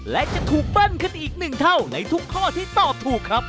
และจะถูกเบิ้ลขึ้นอีกหนึ่งเท่าในทุกข้อที่ตอบถูกครับ